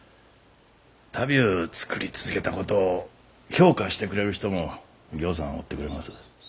足袋ゅう作り続けたことを評価してくれる人もぎょうさんおってくれます。